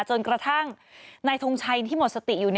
จนกระทั่งนายทงชัยที่หมดสติอยู่